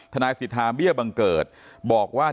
ทนายสิทธาเบี้ยบังเกิดบอกว่า